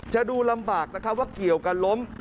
จะดูลำบากว่าเกี่ยวกันล้ม